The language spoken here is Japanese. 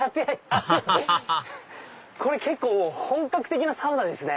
アハハハハ結構本格的なサウナですね。